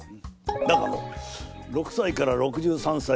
だがのう６歳から６３歳